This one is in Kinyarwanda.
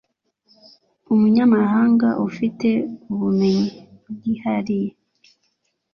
umunyamahanga ufite ubumenyi bwihariye